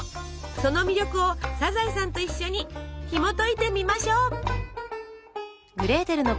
その魅力をサザエさんと一緒にひもといてみましょう。